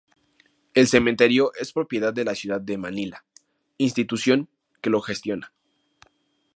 El cementerio es propiedad de la ciudad de Manila, institución que lo gestiona.